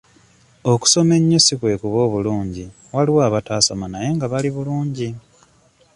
Okusoma ennyo si kwe kuba obulungi waliyo abataasoma naye nga bali bulungi.